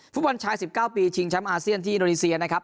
ฟุตบอลชาย๑๙ปีชิงแชมป์อาเซียนที่อินโดนีเซียนะครับ